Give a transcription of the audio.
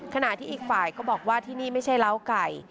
ขณะที่อีกฝ่ายก็บอกว่าที่นี่ไม่ใช่เล้าไก่